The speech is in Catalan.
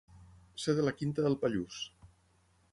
Ser de la quinta del Pallús.